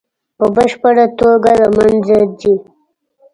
په بشپړه توګه له منځه ځي.